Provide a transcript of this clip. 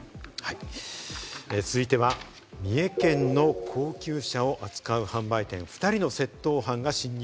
続いては三重県の高級車を扱う販売店、２人の窃盗犯が侵入。